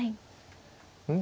うん？